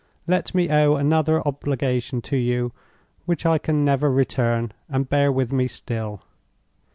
Let me owe another obligation to you which I can never return, and bear with me still!